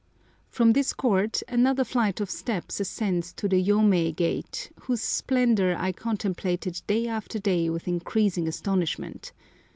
From this court another flight of steps ascends to the Yomei gate, whose splendour I contemplated day after day with increasing astonishment.